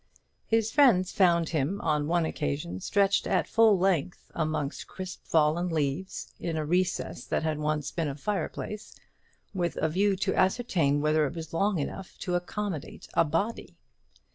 His friends found him on one occasion stretched at full length amongst crisp fallen leaves in a recess that had once been a fireplace, with a view to ascertain whether it was long enough to accommodate a body.